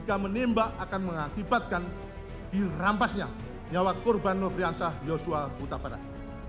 bahwa akan mengakibatkan dirampasnya nyawa korban nofriansah yosua utabarat